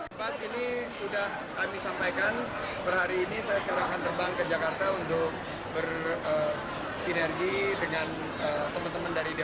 pertama kali ini sudah kami sampaikan per hari ini saya sekarang akan terbang ke jakarta untuk bersinergi dengan pemerintah